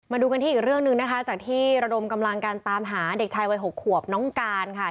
มาดูกันที่อีกเรื่องหนึ่งนะคะจากที่ระดมกำลังการตามหาเด็กชายวัย๖ขวบน้องการค่ะ